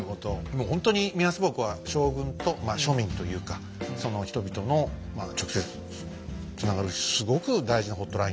もうほんとに目安箱は将軍と庶民というかその人々の直接つながるああそうですね。